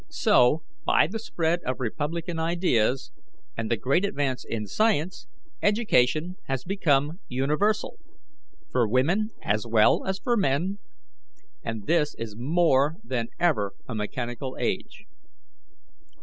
So, by the spread of republican ideas and the great advance in science, education has become universal, for women as well as for men, and this is more than ever a mechanical age.